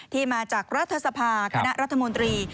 ที่มาจากรัฐสภาคณะรัฐมนตรี